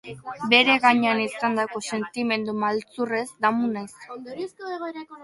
Bere gainean izandako sentimendu maltzurrez damu naiz.